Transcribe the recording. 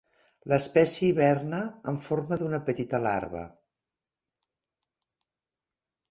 L'espècie hiberna en forma d'una petita larva.